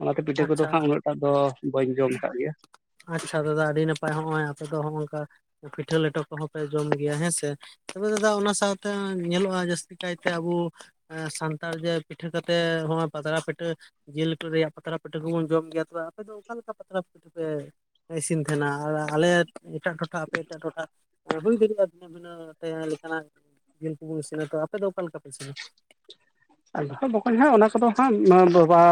ᱚᱱᱟᱛᱮ ᱯᱤᱴᱷᱟᱹ ᱠᱚᱫᱚ ᱟᱪᱪᱷᱟ ᱦᱟᱸᱜ ᱩᱱᱟᱹᱜ ᱴᱟᱜ ᱫᱚ ᱵᱟᱹᱧ ᱡᱚᱢ ᱟᱠᱟᱫ ᱜᱮᱭᱟ᱾ ᱟᱪᱪᱷᱟ ᱫᱟᱫᱟ ᱟᱹᱰᱤ ᱱᱟᱯᱟᱭ ᱦᱚᱜᱼᱚᱭ ᱟᱯᱮ ᱫᱚ ᱦᱚᱜᱼ ᱱᱚᱝᱠᱟ ᱯᱤᱴᱷᱟᱹ ᱞᱮᱴᱚ ᱠᱚᱦᱚᱸ ᱯᱮ ᱡᱚᱢ ᱜᱮᱭᱟ ᱦᱮᱸ ᱥᱮ ᱛᱚᱵᱮ ᱫᱟᱫᱟ ᱚᱱᱟ ᱥᱟᱶᱛᱮ ᱧᱮᱞᱚᱜᱼᱟ ᱡᱟᱹᱥᱛᱤ ᱠᱟᱭᱛᱮ ᱟᱵᱚ ᱥᱟᱱᱛᱟᱲ ᱡᱮ ᱯᱤᱴᱷᱟᱹ ᱠᱟ ᱠᱟᱛᱮᱫ ᱱᱚᱣᱟ ᱯᱟᱛᱲᱟ ᱯᱤᱴᱷᱟᱹ ᱡᱤᱞ ᱩᱛᱩ ᱨᱮᱭᱟᱜ ᱯᱟᱛᱲᱟ ᱯᱟᱹᱴᱷᱟᱹ ᱠᱚᱵᱚᱱ ᱡᱚᱢ ᱜᱮᱭᱟ ᱛᱚᱵᱮ ᱟᱯᱮ ᱫᱚ ᱚᱱᱠᱟᱮ ᱞᱮᱠᱟ ᱯᱟᱛᱲᱟ ᱯᱤᱴᱷᱟᱹ ᱯᱮ? ᱤᱥᱤᱱ ᱛᱟᱦᱮᱱᱟ, ᱟᱨ ᱟᱞᱮ ᱮᱴᱟᱜ ᱴᱚᱴᱷᱟ ᱟᱯᱮ ᱮᱴᱟᱜ ᱴᱚᱴᱷᱟ ᱦᱩᱭ ᱫᱟᱲᱮᱭᱟᱜᱼᱟ ᱞᱮᱠᱟᱱᱟᱜ ᱡᱤᱞ ᱠᱚᱵᱚᱱ ᱤᱥᱤᱱᱟ ᱛᱚ ᱟᱯᱮ ᱫᱚ ᱚᱠᱟ ᱞᱮᱠᱟ ᱯᱮ ᱤᱥᱤᱱᱟ? ᱟ ᱵᱟᱠᱚᱧ ᱦᱟᱸᱜ ᱚᱱᱟ ᱠᱚᱫᱚ ᱦᱟᱸᱜ ᱵᱟᱵᱟ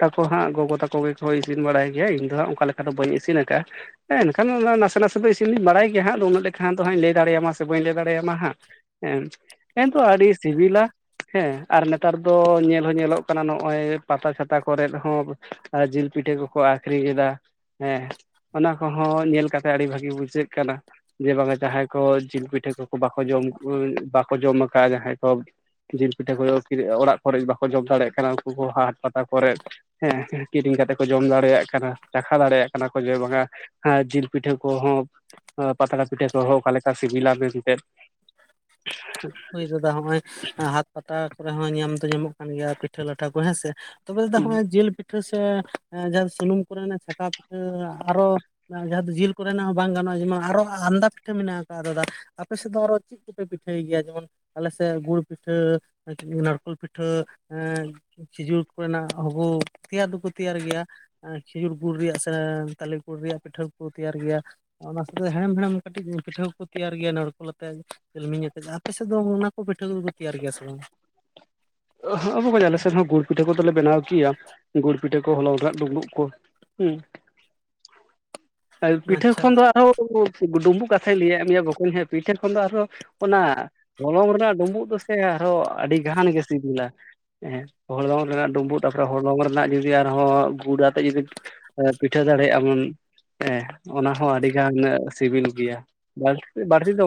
ᱛᱟᱠᱚ ᱦᱟᱸᱜ ᱜᱚ ᱜᱚ ᱛᱟᱠᱚ ᱜᱮᱠᱚ ᱤᱥᱤᱱ ᱵᱟᱲᱟᱭ ᱜᱮᱭᱟ ᱤᱧ ᱫᱚ ᱦᱟᱸᱜ ᱚᱱᱠᱟ ᱞᱮᱠᱟ ᱫᱚ ᱵᱟᱹᱧ ᱤᱱ ᱟᱠᱟᱫᱼᱟ᱾ ᱦᱮᱸᱱᱠᱷᱟᱱ ᱱᱟᱥᱮ ᱱᱟᱥᱮ ᱫᱚ ᱤᱱᱧ ᱵᱟᱭ ᱜᱮ ᱦᱟᱸᱜ ᱟ ᱩᱱᱟᱹᱜ ᱞᱮᱠᱟᱠᱷᱟᱱ ᱫᱚ ᱦᱟᱜ ᱞᱟᱹᱭ ᱫᱮᱭᱟᱢᱟ ᱥᱮ ᱵᱟᱹ ᱞᱟᱹᱭ ᱫᱟᱲᱮᱭᱟᱢᱟ ᱦᱟᱸᱜ, ᱦᱮᱸ ᱠᱤᱱᱛᱩ ᱟᱹᱰᱤ ᱥᱤᱵᱤᱞᱟ ᱦᱮᱸ ᱾ ᱟᱨ ᱱᱮᱛᱟᱨ ᱫᱚ ᱧᱮᱞ ᱦᱚᱸ ᱧᱮᱞᱚᱜ ᱠᱟᱱᱟ, ᱱᱚᱜᱼᱚᱭ ᱯᱟᱛᱟ ᱪᱷᱟᱛᱟ ᱠᱚᱨᱮᱜ ᱦᱚᱸ ᱟᱨ ᱡᱤᱞ ᱯᱤᱴᱷᱟᱹ ᱠᱚᱠᱚ ᱟᱠᱷᱨᱤᱧ ᱮᱫᱟ ᱾ ᱦᱮᱸ ᱚᱱᱟ ᱠᱚᱦᱚᱸ ᱧᱮᱞ ᱠᱟᱛᱮᱜ ᱟᱹᱰᱤ ᱵᱷᱟᱹᱜᱤ ᱵᱩᱡᱷᱟᱹᱜ ᱠᱟᱱᱟ ᱾ ᱡᱮ ᱵᱟᱝ ᱡᱟᱦᱟᱸᱭ ᱠᱚ ᱡᱤᱞ ᱯᱤᱴᱷᱟᱹ ᱠᱚ ᱵᱟᱠᱚ ᱡᱚᱢ ᱵᱟᱠᱚ ᱡᱚᱢ ᱟᱠᱟᱫᱟ ᱡᱟᱦᱟᱸᱭ ᱠᱚ᱾ ᱡᱤᱞ ᱯᱤᱴᱷᱟᱹ ᱠᱚ ᱚᱲᱟᱜ ᱠᱚᱨᱮᱜ ᱵᱟᱠᱚ ᱡᱚᱢ ᱫᱟᱲᱮᱭᱟᱜ ᱠᱟᱱᱟ ᱩᱱᱠᱩ ᱠᱚ ᱦᱟᱴ ᱯᱟᱛᱟ ᱠᱚᱨᱮᱫ, ᱦᱮᱸ ᱠᱤᱨᱤᱧ ᱠᱟᱛᱮ ᱠᱚ ᱡᱚᱢ ᱫᱟᱲᱮᱭᱟᱜ ᱠᱟᱱᱟ ᱾ ᱪᱟᱠᱷᱟ ᱫᱟᱲᱮᱭᱟᱜ ᱠᱟᱱᱟ ᱠᱚ ᱡᱮ ᱵᱟᱝᱟ ᱦᱮᱸ ᱡᱤᱞ ᱯᱤᱴᱷᱟᱹ ᱠᱚᱦᱚᱸ ᱯᱟᱛᱲᱟ ᱯᱤᱴᱷᱟᱹ ᱠᱚᱦᱚᱸ ᱚᱠᱟ ᱞᱮᱠᱟ ᱥᱤᱵᱤᱞᱟ ᱢᱮᱱᱛᱮ ᱾ [unintelligible] ᱦᱩᱭ ᱫᱟ ᱱᱚᱜᱼᱚᱭ ᱦᱟᱴ ᱯᱟᱛᱟ ᱠᱚᱨᱮ ᱦᱚᱸ ᱧᱟᱢ ᱫᱚ ᱧᱟᱢᱚᱜ ᱠᱟᱱ ᱜᱮᱭᱟ ᱯᱤᱴᱷᱟᱹ ᱞᱟᱴᱷᱟ ᱠᱚ ᱦᱮᱸᱥᱮ ᱾ ᱛᱚᱵᱮ ᱛᱮᱫᱚ ᱱᱚᱜᱼᱚᱭ ᱡᱤᱞ ᱯᱤᱴᱷᱟᱹ ᱥᱮ ᱡᱟᱦᱟᱸ ᱥᱩᱱᱩᱢ ᱠᱚᱨᱮᱱᱟᱜ ᱪᱷᱟᱠᱟᱣ ᱯᱤᱴᱷᱟᱹ ᱟᱨᱚ ᱡᱟᱦᱟᱸ ᱫᱚ ᱡᱤᱞ ᱠᱚᱨᱮᱱᱟᱜ ᱦᱚᱸ ᱵᱟᱝ ᱜᱟᱱᱚᱜᱼᱟ, ᱡᱮᱢᱚᱱ ᱟᱨᱚ ᱟᱸᱫᱟ ᱯᱤᱴᱷᱟᱹ ᱢᱮᱱᱟᱜ ᱟᱠᱟᱫ ᱟ ᱟᱯᱮ ᱥᱮᱫ ᱫᱚ ᱟᱨᱚ ᱪᱮᱫ ᱪᱮᱫ ᱠᱚᱯᱮ ᱯᱤᱴᱷᱟᱹᱭ ᱜᱮᱭᱟ? ᱡᱮᱢᱚᱱ ᱟᱞᱮ ᱥᱮᱫ ᱜᱩᱲ ᱯᱤᱴᱷᱟᱹ ᱱᱟᱲᱠᱳᱞ ᱯᱤᱴᱷᱟᱹ ᱮᱸ ᱠᱷᱤᱡᱩᱨ ᱠᱚᱨᱮᱱᱟᱜ ᱦᱚᱸᱵᱚ ᱛᱮᱭᱟᱨ ᱫᱚᱠᱚ ᱛᱮᱭᱟᱨ ᱜᱮᱭᱟ ᱾ ᱠᱷᱤᱡᱩᱨ ᱜᱩᱲ ᱨᱮᱭᱟᱜ ᱥᱮ ᱛᱟᱞᱮ ᱜᱩᱲ ᱨᱮᱭᱟᱜ ᱯᱤᱴᱷᱟᱹ ᱠᱚ ᱛᱮᱭᱟᱨ ᱜᱮᱭᱟ ᱾ ᱚᱱᱟ ᱥᱟᱶᱛᱮ ᱦᱮᱢ ᱦᱮᱢ ᱠᱟᱹᱴᱤᱡ ᱯᱤᱴᱷᱟᱹ ᱠᱚᱠᱚ ᱛᱮᱭᱟᱨ ᱜᱮᱭᱟ ᱱᱟᱲᱠᱳ ᱟᱛᱮᱜ ᱡᱤᱞᱢᱤᱧ ᱟᱛᱮᱫ, ᱟᱨ ᱟᱯᱮ ᱥᱮᱫ ᱫᱚ ᱚᱱᱟ ᱠᱚ ᱯᱤᱴᱷᱟᱹ ᱠᱚᱫᱚᱠᱚ ᱛᱮᱭᱟᱨ ᱜᱮᱭᱟ ᱥᱮ ᱵᱟᱝ? ᱟᱚ ᱟᱞᱮᱥᱮᱫ ᱦᱚᱸ ᱜᱩᱲ ᱯᱤᱴᱷᱟᱹ ᱠᱚᱫᱚᱞᱮ ᱵᱮᱱᱟᱣ ᱠᱮᱭᱟ ᱜᱩᱲ ᱯᱤᱴᱷᱟᱹ ᱠᱚ ᱦᱚᱚᱝ ᱫᱟᱜ ᱰᱩᱵᱩᱜ ᱠᱚ ᱾ ᱦᱮᱸ ᱯᱤᱴᱷᱟᱹ ᱟᱪᱪᱷᱟ ᱠᱷᱚᱱ ᱫᱚ ᱟᱨᱦᱚᱸ ᱰᱩᱢᱵᱩᱜ ᱠᱟᱛᱷᱟᱧ ᱞᱟᱹᱭᱟᱫ ᱢᱮᱭᱟ ᱜᱚᱠᱚᱚᱧ ᱦᱮᱸ ᱯᱤᱴᱷᱮᱱ ᱠᱷᱚᱱ ᱫᱚ ᱟᱨᱦᱚᱸ ᱚᱱᱟ ᱦᱚᱞᱚᱝ ᱨᱮᱱᱟᱜ ᱰᱩᱢᱵᱩᱜ ᱫᱚ ᱥᱮ ᱟᱨᱦᱚᱸ ᱟᱹᱰᱤ ᱜᱟᱱ ᱜᱮ ᱥᱤᱵᱤᱞᱟ - ᱦᱮᱸ ᱦᱚᱲ ᱞᱚᱝ ᱨᱮᱱᱟᱜ ᱰᱩᱢᱵᱩᱜ, ᱛᱟᱯᱚᱨᱮ ᱦᱚᱲ ᱞᱚᱝ ᱨᱮᱱᱟᱜ ᱡᱩᱫᱤ ᱟᱨᱦᱚᱸ ᱜᱩᱰᱟ ᱟᱛᱮᱜ ᱡᱩᱫᱤ ᱯᱤᱴᱷᱟᱹ ᱫᱟᱲᱮᱜᱭᱟᱜ ᱮᱢᱚᱱ ᱦᱮᱸ ᱚᱱᱟ ᱦᱚᱸ ᱟᱹᱰᱤ ᱜᱟᱱ ᱥᱤᱵᱤᱞ ᱜᱮᱭᱟ, ᱵᱟᱹᱲᱛᱤ ᱫᱚ